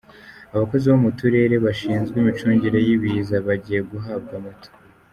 Abakozi bo mu turere bashinzwe imicungire y’ibiza bagiye guhabwa moto